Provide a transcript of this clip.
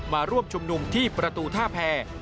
มาร่วมชุมนุมที่ประตูท่าแพร